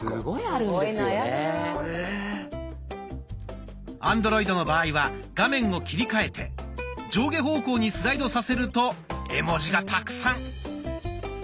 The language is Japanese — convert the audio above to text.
アンドロイドの場合は画面を切り替えて上下方向にスライドさせると絵文字がたくさん。